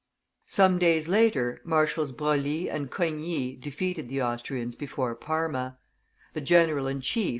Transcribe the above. Some days later Marshals Broglie and Coigny defeated the Austrians before Parma; the general in chief, M.